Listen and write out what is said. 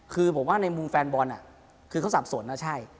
คือผมว่าในมุมแฟนบอลคือเขาสับสนนะใช่